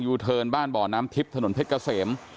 เทิร์นบ้านบ่อน้ำทิพย์ถนนเพชรเกษม